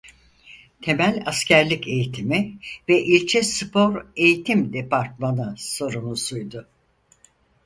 Temel askerlik eğitimi ve ilçe spor eğitim departmanı sorumlusuydu.